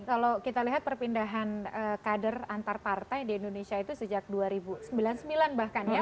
kalau kita lihat perpindahan kader antar partai di indonesia itu sejak dua ribu sembilan bahkan ya